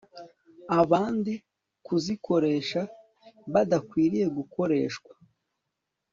abandi kuzikoresha badakwiriye gukoreshwa